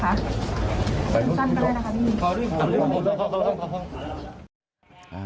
กันกันได้นะคะ